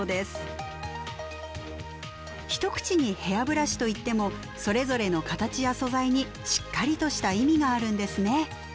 一口にヘアブラシといってもそれぞれの形や素材にしっかりとした意味があるんですね。